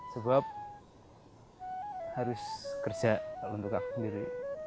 sebab harus kerja untuk aku sendiri